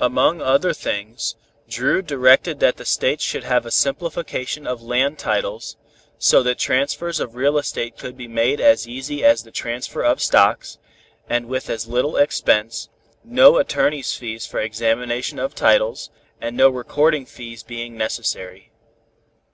Among other things, Dru directed that the States should have a simplification of land titles, so that transfers of real estate could be made as easy as the transfer of stocks, and with as little expense, no attorneys' fees for examination of titles, and no recording fees being necessary.